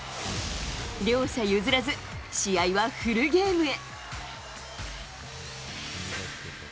両者譲らず、試合はフルゲームへ。